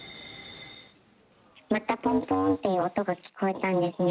またぽんぽんっていう音が聞こえたんですね。